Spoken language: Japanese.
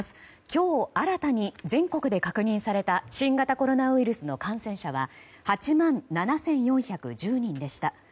今日新たに全国で確認された新型コロナウイルスの感染者は８万７４１０人でした。